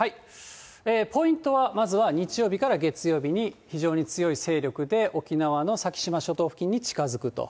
ポイントは、まずは日曜日から月曜日に、非常に強い勢力で沖縄の先島諸島付近に近づくと。